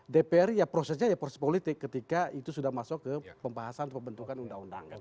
dpr ya prosesnya ya proses politik ketika itu sudah masuk ke pembahasan pembentukan undang undang